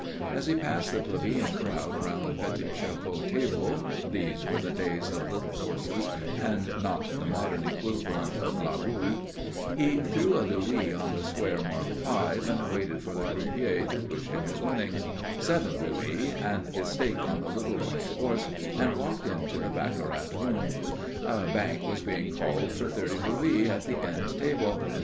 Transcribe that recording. As he passed the plebeian crowd round the petits chevaux table these were the days of little horses and not the modern equivalent of la boule he threw a louis on the square marked 5, waited for the croupier to push him his winnings, seven louis and his stake on the little white horse, and walked into the baccarat room. A bank was being called for thirty louis at the end table.